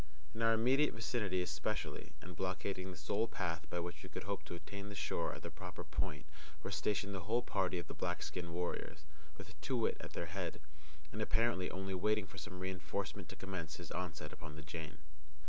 In our immediate vicinity especially, and blockading the sole path by which we could hope to attain the shore at the proper point were stationed the whole party of the black skin warriors, with Too wit at their head, and apparently only waiting for some re enforcement to commence his onset upon the Jane.